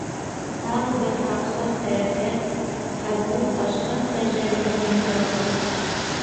Тағы бер һаҡһыҙ хәрәкәт һәм... ул ташҡын тәжжәленән йотоласаҡ!